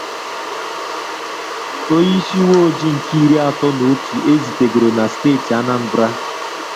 onyeisi ụweojii nke iri atọ na otu e zitegoro na steeti Anambra